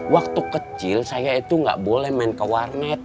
waktu kecil saya itu nggak boleh main ke warnet